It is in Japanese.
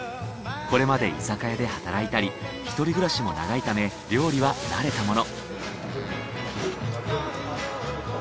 これまで居酒屋で働いたり一人暮らしも長いため料理は慣れたもの。